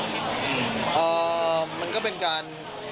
มันก็เป็นการ